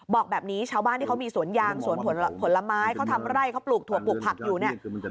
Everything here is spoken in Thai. บอกแบบนี้ชาวบ้านที่เขามีสวนยางสวนผลไม้เขาทำไร่เขาปลูกถั่วปลูกผักอยู่เนี่ย